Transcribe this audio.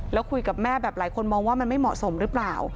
แล้วคุยกับแม่แบบหลายคนมองว่ามันไม่เหมาะสมหรือเปล่า